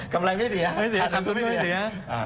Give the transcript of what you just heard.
กำไรไม่เสีย